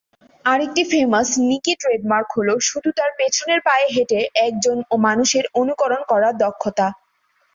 আরেকটি famous Nicky trademark হলো শুধু তার পেছনের পায়ে হেঁটে একজন মানুষের অনুকরণ করার দক্ষতা।